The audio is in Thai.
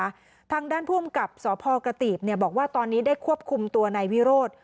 ด้วยนะคะทางด้านภูมิกับสพกติบเนี่ยบอกว่าตอนนี้ได้ควบคุมตัวในวิโรธ